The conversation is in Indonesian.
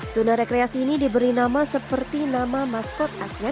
lora bung karno